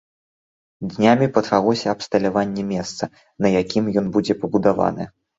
Днямі пачалося абсталяванне месца, на якім ён будзе пабудаваны.